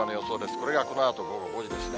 これがこのあと午後６時ですね。